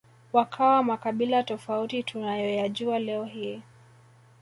wakawa makabila tofauti tunayoyajua leo hii